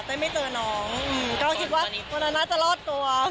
ไม่เจอน้องก็คิดว่าวันนั้นน่าจะรอดตัว